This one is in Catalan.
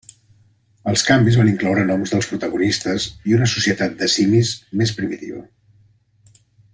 Els canvis van incloure noms dels protagonistes i una societat de simis més primitiva.